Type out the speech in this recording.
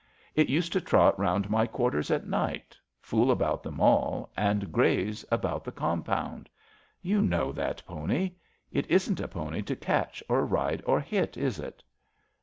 It used to trot round my quarters at night, fool about the Mall, and graze about the compound. You know that pony. It isn't a pony to catch or ride or hit, is it?